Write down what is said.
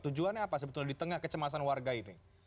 tujuannya apa sebetulnya di tengah kecemasan warga ini